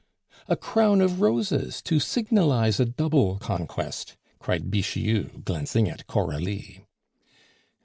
"A crown of roses! to signalize a double conquest," cried Bixiou, glancing at Coralie.